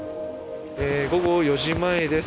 午後４時前です。